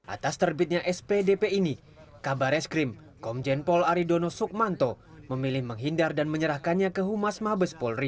atas terbitnya spdp ini kabar reskrim komjen pol aridono sukmanto memilih menghindar dan menyerahkannya ke humas mabes polri